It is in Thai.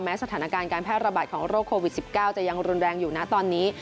สถานการณ์การแพร่ระบาดของโรคโควิด๑๙จะยังรุนแรงอยู่นะตอนนี้